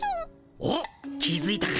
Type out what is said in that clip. おっ気づいたか！